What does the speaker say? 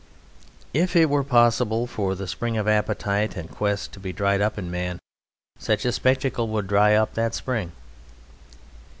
If it were possible for the spring of appetite and quest to be dried up in man, such a spectacle would dry up that spring.